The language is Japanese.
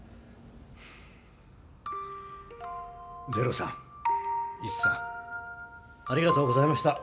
ゼロさんイチさんありがとうございました。